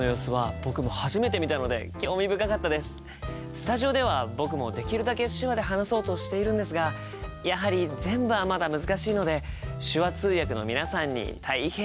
スタジオでは僕もできるだけ手話で話そうとしているんですがやはり全部はまだ難しいので手話通訳の皆さんに大変お世話になっています。